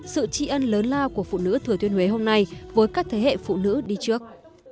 sự tri ân lớn lao của phụ nữ thừa thuyên huế hôm nay với các thế hệ phụ nữ đi trước